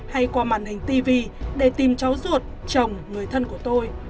hay qua màn hình tv để tìm cháu ruột chồng người thân của tôi